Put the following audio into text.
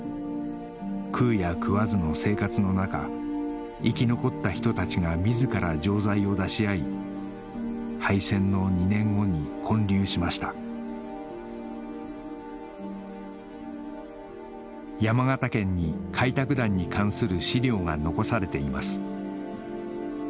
食うや食わずの生活の中生き残った人たちが自ら浄財を出し合い敗戦の２年後に建立しました山形県に開拓団に関する資料が残されています